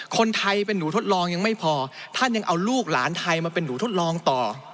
คนไทยเป็นหนูทดลองยังไม่พอท่านยังเอาลูกหลานไทยมาเป็นหนูทดลองต่อ